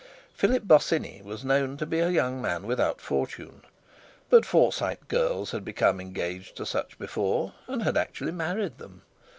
Philip Bosinney was known to be a young man without fortune, but Forsyte girls had become engaged to such before, and had actually married them.